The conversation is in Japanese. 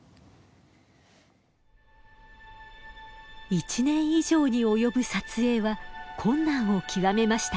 １年以上に及ぶ撮影は困難を極めました。